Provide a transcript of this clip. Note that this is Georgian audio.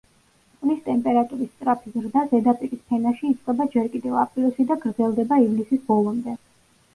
წყლის ტემპერატურის სწრაფი ზრდა ზედაპირის ფენაში იწყება ჯერ კიდევ აპრილში და გრძელდება ივლისის ბოლომდე.